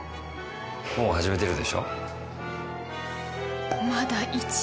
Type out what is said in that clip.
もう始めてるでしょ？